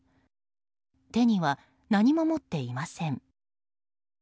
手には何も持っていません。